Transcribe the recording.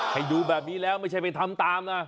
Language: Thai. ให้ดูแบบนี้แล้วไม่ใช่ไปทำตามนะ